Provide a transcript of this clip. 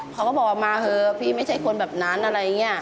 เขาก็บอกว่ามาเถอะพี่ไม่ใช่คนแบบนั้นอะไรอย่างนี้